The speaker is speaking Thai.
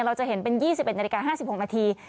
เราจะเห็นเป็น๒๑นาฬิกา๕๖นาที